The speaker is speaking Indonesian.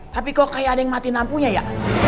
tapi kok kayak ada yang mati lampunya ya